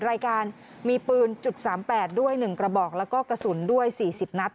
รายการมีปืนจุดสามแปดด้วยหนึ่งกระบอกแล้วก็กระสุนด้วยสี่สิบนัด